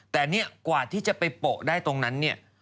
แต่เนี่ยกว่าที่จะไปโปะได้ตรงนั้นเนี่ย